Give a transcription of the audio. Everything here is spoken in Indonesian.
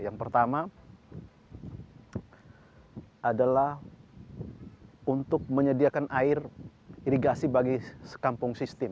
yang pertama adalah untuk menyediakan air irigasi bagi sekampung sistem